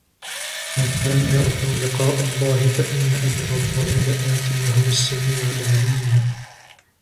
مَنْ كَانَ يَرْجُو لِقَاءَ اللَّهِ فَإِنَّ أَجَلَ اللَّهِ لَآتٍ وَهُوَ السَّمِيعُ الْعَلِيمُ